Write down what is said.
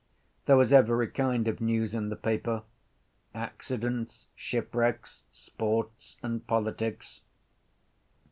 There was every kind of news in the paper: accidents, shipwrecks, sports and politics.